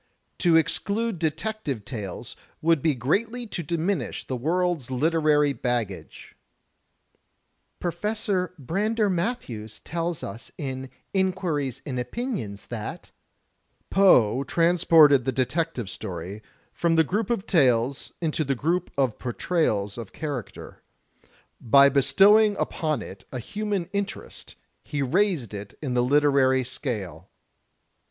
To exclude detective tales would be greatly to diminish the world's literary baggage." THE LITERATURE OF MYSTERY I3 Professor Brander Matthews tells us in "Inquiries and Opinions" that "Poe transported the detective story from the group of tales into the group of portrayals of character. By bestowing upon it a human interest, he raised it in the literary scale."